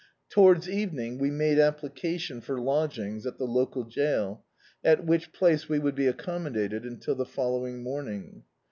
To wards evening we made application for lodgings at the local jail, at which place we would be accom modated until the following morning.